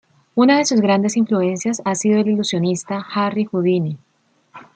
Una de sus grandes influencias ha sido el ilusionista Harry Houdini.